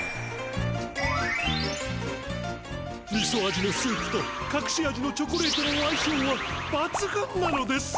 みそ味のスープとかくし味のチョコレートのあいしょうはばつぐんなのです！